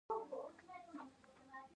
ایا زما سږي خراب شوي دي؟